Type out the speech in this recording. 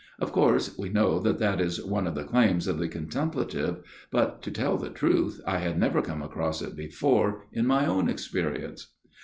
Of course we know that that is one the claims of the contemplative, but, to tell the truth, I had never come across it before in my own experience.